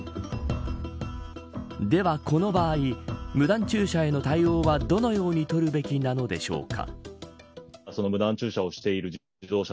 では、この場合無断駐車への対応はどのようにとるべきなのでしょうか。